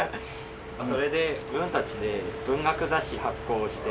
それで自分たちで文学雑誌発行して。